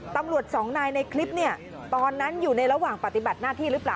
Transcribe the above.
ตำรวจสองนายในคลิปเนี่ยตอนนั้นอยู่ในระหว่างปฏิบัติหน้าที่หรือเปล่า